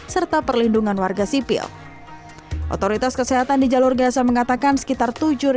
serta perlindungan warga sipil otoritas kesehatan di jalur gaza mengatakan sekitar